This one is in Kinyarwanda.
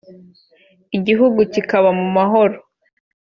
igihugu kikaba mu mahoro